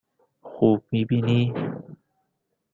خوب می بینی؟